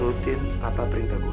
lu turutin papa perintah gue